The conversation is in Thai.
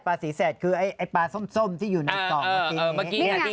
สีแสดคือไอ้ปลาส้มที่อยู่ในกล่องเมื่อกี้